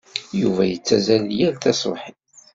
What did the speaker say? Yuba yettazzal yal taṣebḥit.